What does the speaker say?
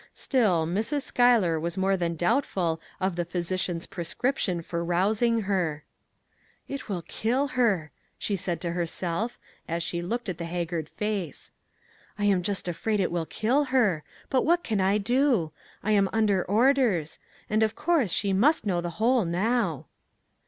Still, Mrs. Schuyler was more than doubtful of the physician's prescription for rousing her. 395 MAG AND MARGARET " It will kill her !" she said to herself, as she looked at the haggard face. " I am just afraid it will kill her ! but what can I do ? I am under orders ; and of course she must know the whole now."